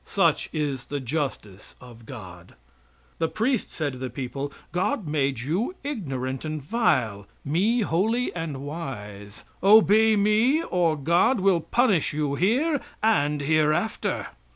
Such is the justice of God. The priest said to the people: "God made you ignorant and vile, me holy and wise; obey me, or God will punish you here and hereafter."